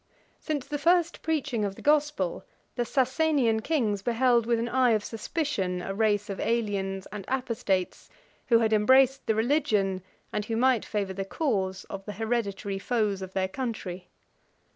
Since the first preaching of the gospel, the Sassanian kings beheld with an eye of suspicion a race of aliens and apostates, who had embraced the religion, and who might favor the cause, of the hereditary foes of their country.